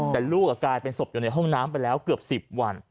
แต่ลูกกลายเป็นศพอยู่ในห้องน้ำไปแล้วเกือบ๑๐วัน